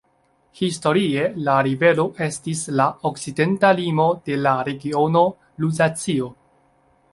Historie la rivero estis la okcidenta limo de la regiono Luzacio.